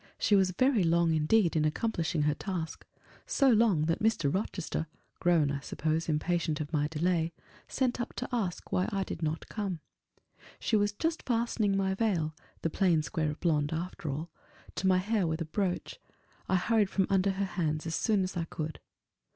She was very long indeed in accomplishing her task; so long that Mr. Rochester grown, I suppose, impatient of my delay sent up to ask why I did not come. She was just fastening my veil (the plain square of blonde, after all) to my hair with a brooch; I hurried from under her hands as soon as I could.